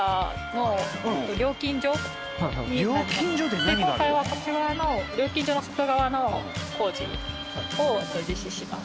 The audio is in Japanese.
ここが今今回はこっち側の料金所の外側の工事を実施します。